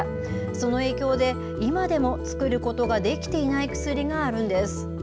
その影響で今でも作ることができていない薬があるんです。